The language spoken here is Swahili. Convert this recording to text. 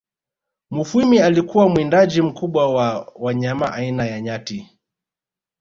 Mufwimi alikuwa mwindaji mkubwa wa wanyama aina ya Nyati